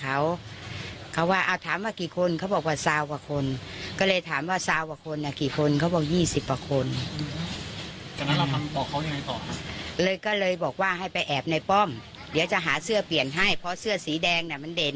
แอบในป้อมเดี๋ยวจะหาเสื้อเปลี่ยนให้เพราะเสื้อสีแดงมันเด่น